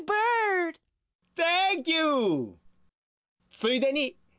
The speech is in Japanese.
ついでに。